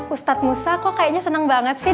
ustaz musa kok kayaknya seneng banget sih